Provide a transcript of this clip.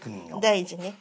大事ね。